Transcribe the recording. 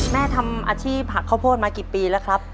แม่ทำอาชีพผักข้าวโพดมากี่ปีแล้วครับ